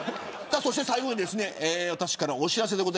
そして私からお知らせです。